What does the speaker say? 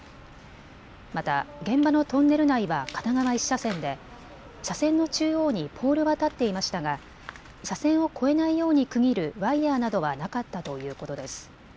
また現場のトンネル内は片側１車線で車線の中央にポールは立っていましたが車線を越えないように区切るワイヤーなどはなかったということです。